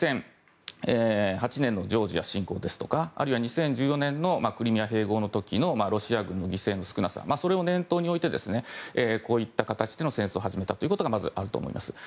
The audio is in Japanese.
２００８年のジョージア侵攻やあるいは２０１４年のクリミア併合の時のロシア軍の犠牲の少なさを念頭に置いてこういった形での戦争を始めたということがあると思います。